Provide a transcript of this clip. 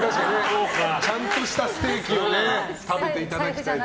ちゃんとしたステーキを食べていただきたいと。